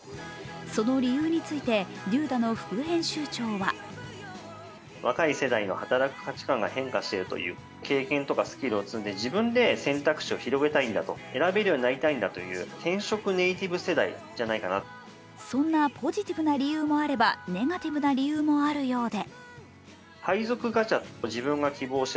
その理由についてｄｏｄａの副編集長はそんなポジティブな理由もあればネガティブな理由もあるそうで。